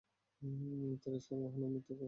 তার ইসলাম গ্রহণ ও মৃত্যুর মাঝে দীর্ঘ সময় ছিল না।